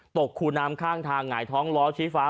คูน้ำข้างทางหงายท้องล้อชี้ฟ้า